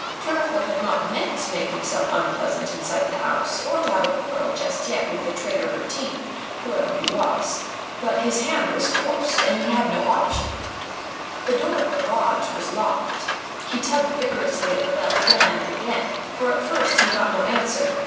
Tournefort had not meant to make himself unpleasant inside the house, or to have a quarrel just yet with the traitor Bertin, whoever he was; but his hand was forced and he had no option. The door of the lodge was locked. He tugged vigorously at the bell again and again, for at first he got no answer.